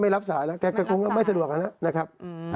ไม่รับสายแล้วแกคงก็ไม่สะดวกแล้วนะครับ